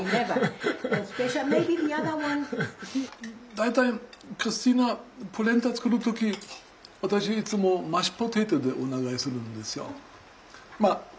大体クリスティーナポレンタ作る時私いつもマッシュポテトでお願いするんですよ。